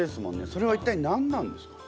それは一体何なんですか？